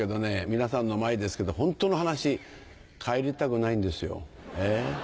皆さんの前ですけどホントの話帰りたくないんですよええ。